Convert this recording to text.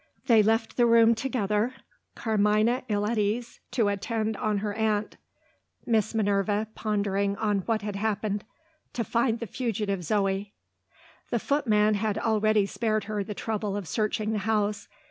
They left the room together Carmina, ill at ease, to attend on her aunt; Miss Minerva, pondering on what had happened, to find the fugitive Zo. The footman had already spared her the trouble of searching the house.